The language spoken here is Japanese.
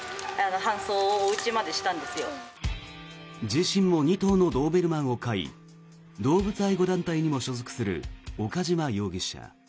自身も２頭のドーベルマンを飼い動物愛護団体にも所属する岡島容疑者。